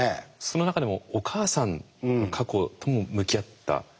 その中でもお母さんの過去とも向き合った。